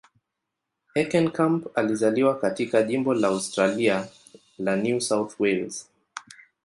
Heckenkamp alizaliwa katika jimbo la Australia la New South Wales.